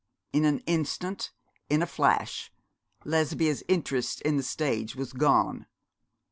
In an instant, in a flash, Lesbia's interest in the stage was gone.